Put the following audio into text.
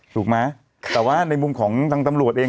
ถูกไหมแต่ว่าในมุมของทางตำรวจเอง